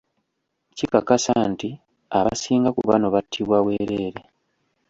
Kikakasa nti abasinga ku bano battibwa bwereere.